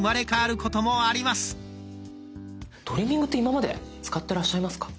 トリミングって今まで使ってらっしゃいますか？